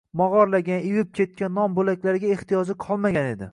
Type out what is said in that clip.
mog‘orlagan, ivib ketgan non bo‘laklariga ehtiyoji qolmagan edi.